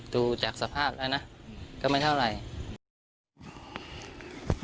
ดูจากสภาพแล้วนะก็ไม่เท่าไหร่